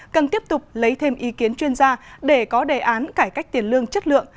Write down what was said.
cần tiếp tục lấy thêm ý kiến chuyên gia để có đề án cải cách tiền lương chất lượng